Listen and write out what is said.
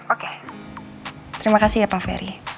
oke terima kasih ya pak ferry